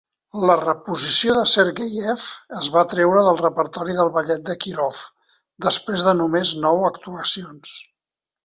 La reposició de Sergeyev es va treure del repertori del Ballet de Kirov després de només nou actuacions.